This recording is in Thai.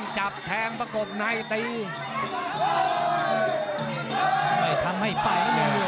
จับแทงประกบในตี